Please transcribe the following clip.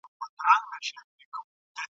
له ماښامه تر سهاره یې غپله !.